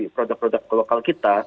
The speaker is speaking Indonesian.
produk produk lokal kita